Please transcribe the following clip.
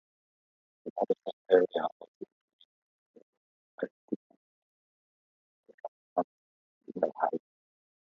The watershed area also includes parts of Ashtabula and Geauga Counties in Ohio.